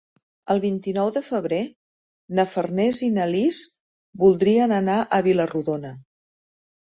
El vint-i-nou de febrer na Farners i na Lis voldrien anar a Vila-rodona.